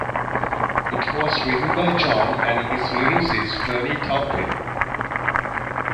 It was written by John and his lyricist Bernie Taupin.